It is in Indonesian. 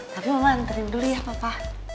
tapi mama antarin dulu ya papa